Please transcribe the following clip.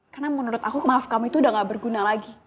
karena menurut aku maaf kamu itu udah gak berguna lagi